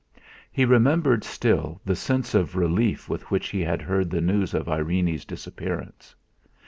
He remembered still the sense of relief with which he had heard the news of Irene's disappearance.